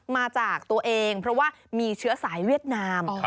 มาจากตัวเองเพราะว่ามีเชื้อสายเวียดนาม